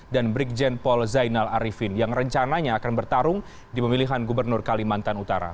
dan brikjen paul zainal arifin yang rencananya akan bertarung di pemilihan gubernur kalimantan utara